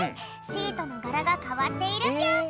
シートのがらがかわっているぴょん。